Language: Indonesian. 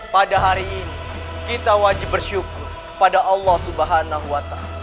pada hari ini kita wajib bersyukur kepada allah swt